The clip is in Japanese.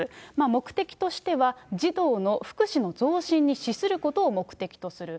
目的としては、児童の福祉の増進に資することを目的とする。